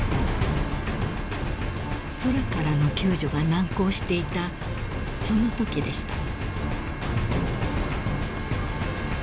［空からの救助が難航していたそのときでした］